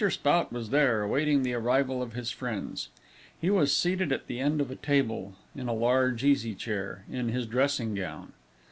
Spout was there, awaiting the arrival of his friends. He was seated at the end of a table, in a large easy chair, in his dressing gown.